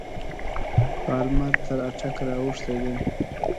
پالمر تر اټک را اوښتی دی.